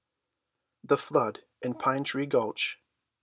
THE FLOOD IN PINE TREE GULCH.